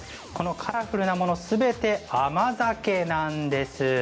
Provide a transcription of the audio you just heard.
カラフルなものすべて甘酒なんです。